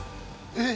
えっ？